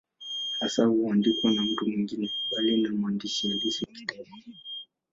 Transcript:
Hasa huandikwa na mtu mwingine, mbali na mwandishi halisi wa kitabu.